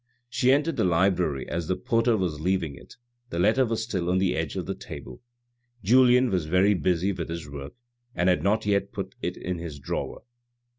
She entered the library as the porter was leaving it, the letter was still on the edge of the table. Julien was very busy with his work and had not yet put it in his drawer.